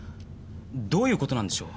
どういうことなんでしょう？